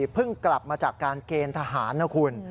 เพิ่งกลับมาจากการเกณฑ์ทหารนะคุณ